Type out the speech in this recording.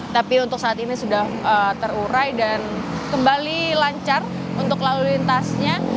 tapi untuk saat ini sudah terurai dan kembali lancar untuk lalu lintasnya